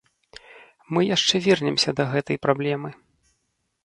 Мы яшчэ вернемся да гэтай праблемы.